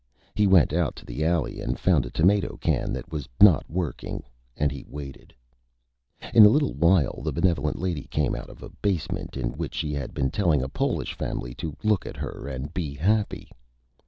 He went out to the Alley and found a Tomato Can that was not working, and he waited. In a little while the Benevolent Lady came out of a Basement, in which she had been telling a Polish Family to look at her and be Happy.